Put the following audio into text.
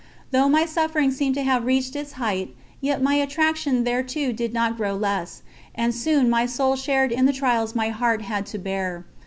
Though my suffering seemed to have reached its height, yet my attraction thereto did not grow less, and soon my soul shared in the trials my heart had to bear.